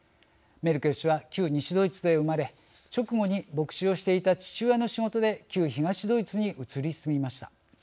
メルケル氏は旧西ドイツで生まれ、直後に牧師をしていた父親の仕事で旧東ドイツに移り住みました。